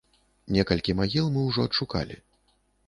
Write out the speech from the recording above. Некалькі магіл мы ўжо адшукалі.